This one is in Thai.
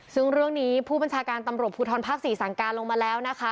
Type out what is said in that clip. ซึ่งเรื่องนี้ผู้บัญชาการตำรวจภูทรภาค๔สั่งการลงมาแล้วนะคะ